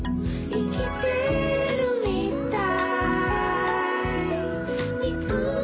「いきてるみたい」